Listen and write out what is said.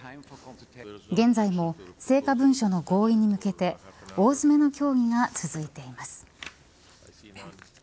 現在も成果文書の合意に向けて大詰めの協議が続いています。